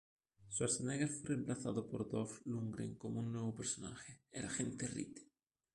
Schwarzenegger fue reemplazado por Dolph Lundgren como un nuevo personaje, el Agente Reed.